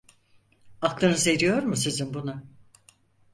Aklınız eriyor mu sizin buna?